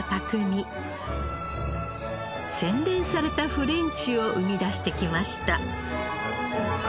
洗練されたフレンチを生み出してきました。